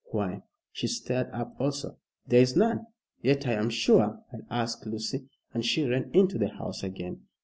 Why" she stared up also "there is none. Yet I am sure I'll ask Lucy," and she ran into the house again.